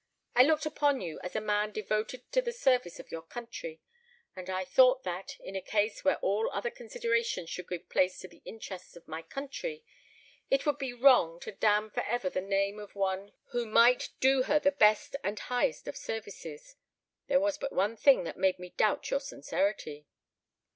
I looked upon you as a man devoted to the service of your country; and I thought that, in a case where all other considerations should give place to the interests of my country, it would be wrong to damn for ever the name of one who might do her the best and highest of services. There was but one thing that made me doubt your sincerity."